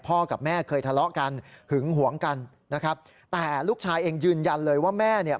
กับแม่เคยทะเลาะกันหึงหวงกันนะครับแต่ลูกชายเองยืนยันเลยว่าแม่เนี่ย